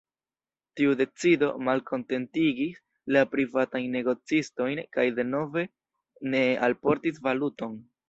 Tiu decido malkontentigis la privatajn negocistojn kaj denove ne alportis valuton.